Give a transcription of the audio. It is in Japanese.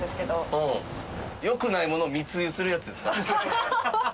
よくないものを密輸するやつですか？